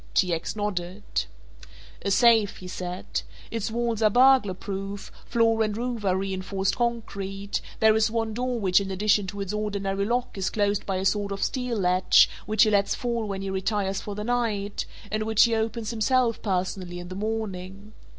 T. X. nodded. "A safe," he said; "its walls are burglar proof, floor and roof are reinforced concrete, there is one door which in addition to its ordinary lock is closed by a sort of steel latch which he lets fall when he retires for the night and which he opens himself personally in the morning.